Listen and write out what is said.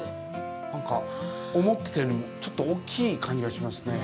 なんか思ってたよりもちょっと大きい感じがしますね。